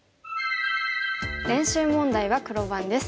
練習問題は黒番です。